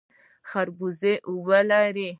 تربوز اوبه لري